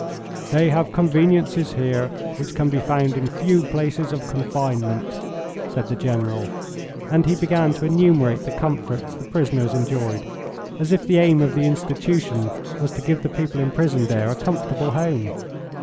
"They have conveniences here which can be found in few places of confinement," said the General, and he began to enumerate the comforts the prisoners enjoyed, as if the aim of the institution was to give the people imprisoned there a comfortable home.